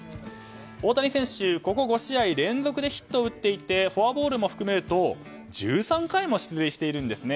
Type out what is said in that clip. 大谷選手はここ５試合連続でヒットを打っていてフォアボールも含めると１３回も出塁しているんですね。